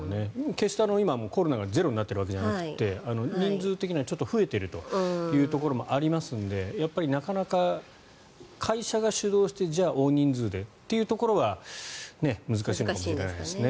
決して今もコロナがゼロになっているわけではなくて人数的にはちょっと増えているというところもありますのでなかなか会社が主導してじゃあ、大人数でというところは難しいんじゃないですかね。